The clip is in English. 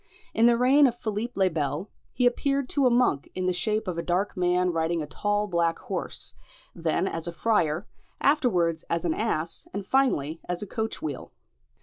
In the reign of Philippe le Bel, he appeared to a monk in the shape of a dark man riding a tall black horse, then as a friar, afterwards as an ass and finally as a coach wheel.